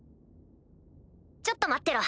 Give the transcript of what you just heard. ちょっと待ってろ。